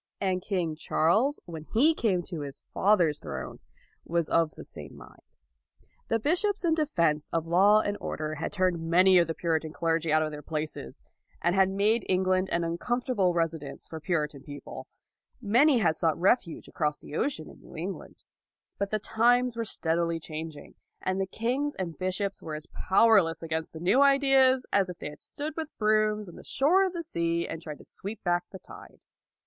And King Charles, when he came to his father's throne, was of the same mind. The bish ops in defense of law and order had turned many of the Puritan clergy out of their places, and had made England an uncom LAUD 217 fortable residence for Puritan people. Many had sought refuge across the ocean in New England. But the times were steadily changing, and kings and bishops were as powerless against the new ideas as if they had stood with brooms on the shore of the sea and tried to sweep back the tide.